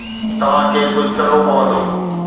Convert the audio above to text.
توهان کي ڪجهه ڪرڻو پوندو.